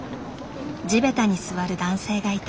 地べたに座る男性がいた。